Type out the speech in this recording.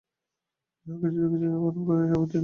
যাহা কিছু দেখিতেছ বা অনুভব করিতেছ, সবই তিনি।